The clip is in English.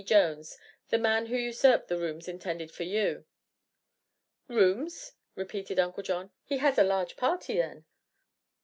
B. Jones the man who usurped the rooms intended for you." "Rooms?" repeated Uncle John. "Has he a large party, then?"